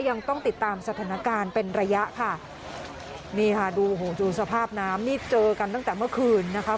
ยังต้องติดตามสถานการณ์เป็นระยะค่ะนี่ค่ะดูโหดูสภาพน้ำนี่เจอกันตั้งแต่เมื่อคืนนะคะ